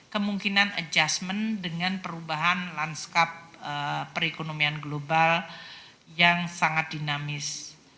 kemungkinan adjustment dengan perubahan lanskap perekonomian global yang sangat dinamis